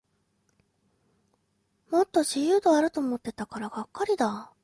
もっと自由度あると思ってたからがっかりだ